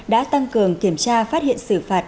đã tăng cường kiểm tra phát hiện xử phạt